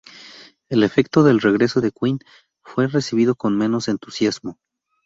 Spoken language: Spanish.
El efecto del regreso de Quinn fue recibido con menos entusiasmo.